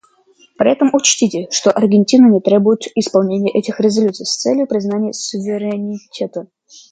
При этом учтите, что Аргентина не требует исполнения этих резолюций с целью признания суверенитета.